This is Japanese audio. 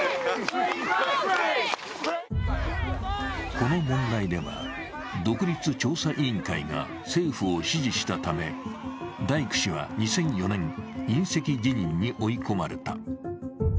この問題では、独立調査委員会が政府を支持したためダイク氏は２００４年、引責辞任に追い込まれた。